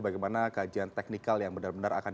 bagaimana kajian teknikal yang benar benar akan